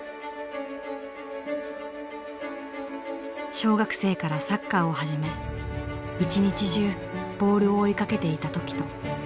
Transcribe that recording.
小学生からサッカーを始め一日中ボールを追いかけていた凱人。